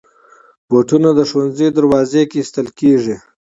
بوټونه د ښوونځي دروازې کې ایستل کېږي.